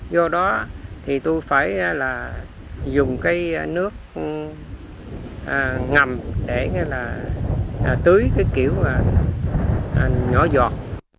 do đó thì tôi phải là dùng cái nước ngầm để tưới cái kiểu nhỏ giọt